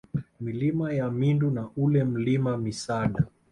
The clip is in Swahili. Milima ya Mindu na ule Mlima Misada